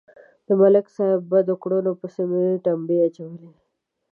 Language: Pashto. د ملک صاحب بدو کړنو پسې مې تمبې اچولې.